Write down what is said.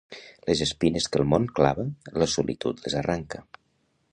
Les espines que el món clava, la solitud les arranca.